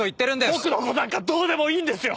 僕のことなんかどうでもいいんですよ！